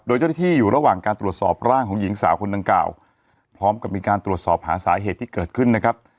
โดยเจ้าหน้าที่อยู่ระหว่างการตรวจสอบร่างของหญิงสาวคนดังกล่าวพร้อมกับมีการตรวจสอบหาสาเหตุที่เกิดขึ้นนะครับ